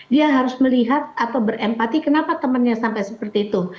dia harus melihat atau berempati kenapa temannya sampai seperti itu